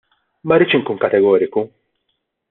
Ma rridx inkun kategoriku.